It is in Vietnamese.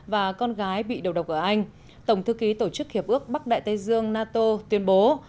và con gái bị đầu độc ở anh tổng thư ký tổ chức hiệp ước bắc đại tây dương nato tuyên bố